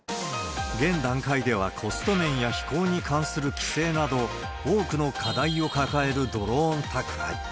現段階ではコスト面や飛行に関する規制など、多くの課題を抱えるドローン宅配。